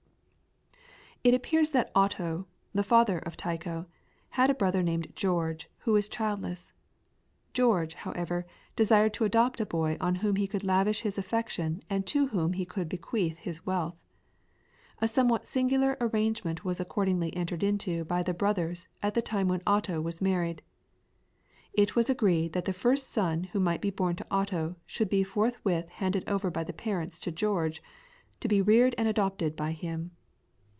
It appears that Otto, the father of Tycho, had a brother named George, who was childless. George, however, desired to adopt a boy on whom he could lavish his affection and to whom he could bequeath his wealth. A somewhat singular arrangement was accordingly entered into by the brothers at the time when Otto was married. It was agreed that the first son who might be born to Otto should be forthwith handed over by the parents to George to be reared and adopted by him.